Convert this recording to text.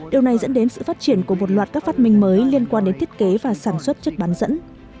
điều này dẫn đến sự phát triển của một loạt các phát minh mới liên quan đến thiết kế và sản xuất chất bán dẫn